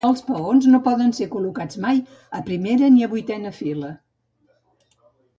Els peons no poden ser col·locats mai a primera ni a vuitena fila.